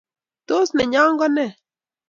Tos nenyo kone?